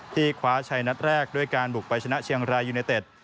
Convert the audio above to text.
คว้าชัยนัดแรกด้วยการบุกไปชนะเชียงรายยูเนเต็ด